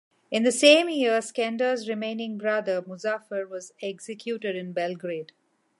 In the same year, Skender's remaining brother Muzafer was executed in Belgrade.